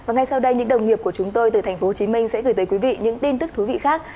và ngay sau đây những đồng nghiệp của chúng tôi từ tp hcm sẽ gửi tới quý vị những tin tức thú vị khác